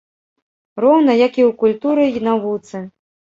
Роўна, як і ў культуры й навуцы.